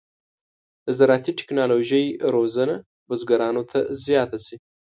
د زراعتي تکنالوژۍ روزنه بزګرانو ته زیاته شي.